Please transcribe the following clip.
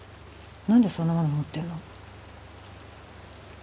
何でそんなもの持ってんの？